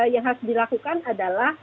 yang harus dilakukan adalah